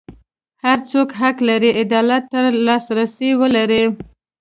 هر څوک حق لري عدالت ته لاسرسی ولري.